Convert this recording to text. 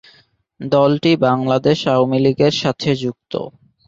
দলটি বাংলাদেশ আওয়ামী লীগের সাথে যুক্ত।